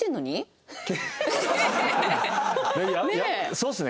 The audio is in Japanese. そうですね。